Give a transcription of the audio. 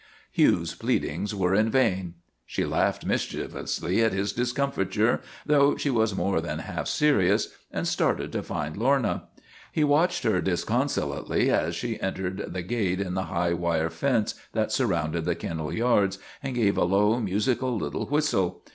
Hugh's pleadings were in vain. She laughed mischievously at his discomfiture though she was more than half serious and started to find Lorna. He watched her disconsolately as she entered the gate in the high wire fence that surrounded the ken nel yards and gave a low, musical little whistle.